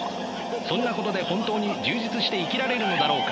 そんなことで本当に充実して生きられるのだろうか。